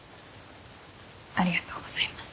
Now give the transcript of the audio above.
ありがとうございます。